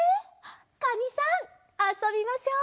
かにさんあそびましょう。